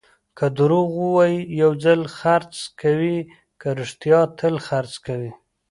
که دروغ ووایې، یو ځل خرڅ کوې؛ که رښتیا، تل خرڅ کوې.